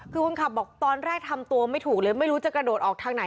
คือคนขับบอกตอนแรกทำตัวไม่ถูกเลยไม่รู้จะกระโดดออกทางไหน